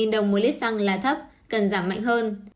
đồng một lít xăng là thấp cần giảm mạnh hơn